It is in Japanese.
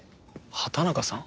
畑中さん？